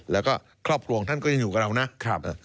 แล้วก็ครอบครัวท่านก็ยังอยู่กับเรานะครับ